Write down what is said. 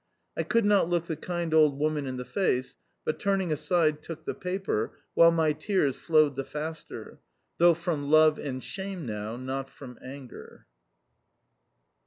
I could not look the kind old woman in the face, but, turning aside, took the paper, while my tears flowed the faster though from love and shame now, not from anger.